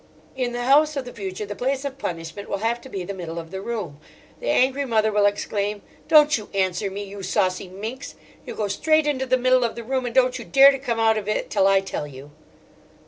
In the house of the future the place of punishment will have to be the middle of the room. The angry mother will exclaim: "Don't you answer me, you saucy minx! You go straight into the middle of the room, and don't you dare to come out of it till I tell you!"